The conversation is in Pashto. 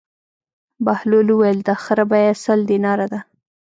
بهلول وویل: د خر بېه سل دیناره ده.